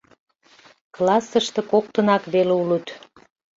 Классыште коктынак веле улыт.